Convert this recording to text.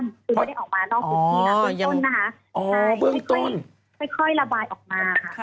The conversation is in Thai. คือไม่ได้ออกมานอกทุกทีอ๋อเบื้องต้นนะคะค่อยระบายออกมาค่ะ